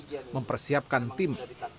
dan mempersiapkan tim